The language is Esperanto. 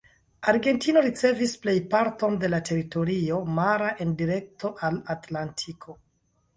Argentino ricevis plej parton de la teritorio mara en direkto al Atlantiko.